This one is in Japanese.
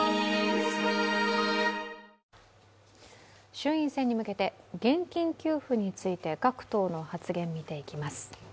衆院選に向けて現金給付について各党の発言、見ていきます。